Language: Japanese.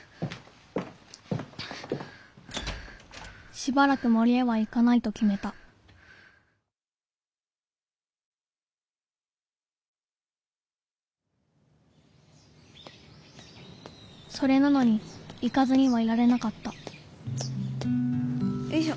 しばらくもりへは行かないときめたそれなのに行かずにはいられなかったよいしょ。